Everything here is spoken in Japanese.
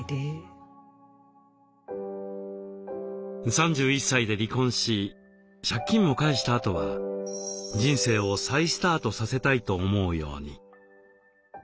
３１歳で離婚し借金も返したあとは人生を再スタートさせたいと思うように。